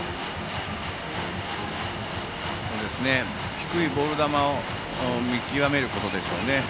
低いボール球を見極めることですね。